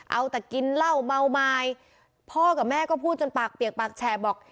เอาแต่กินเหล้าเมาไม้พ่อกับแม่ก็พูดจนปากเปียกปากแฉบอก